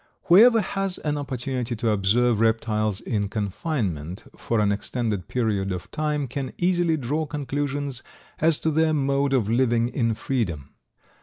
Whoever has an opportunity to observe reptiles in confinement for an extended period of time can easily draw conclusions as to their mode of living in freedom.